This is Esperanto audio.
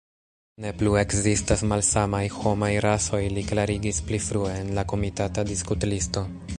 Ne plu ekzistas malsamaj homaj rasoj, li klarigis pli frue en la komitata diskutlisto.